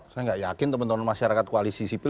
saya nggak yakin teman teman masyarakat koalisi sipil